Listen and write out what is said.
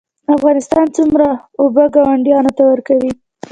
افغانستان څومره اوبه ګاونډیانو ته ورکوي؟